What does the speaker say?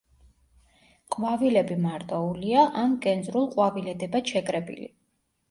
ყვავილები მარტოულია ან კენწრულ ყვავილედებად შეკრებილი.